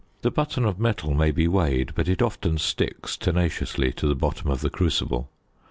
The button of metal may be weighed, but it often sticks tenaciously to the bottom of the crucible.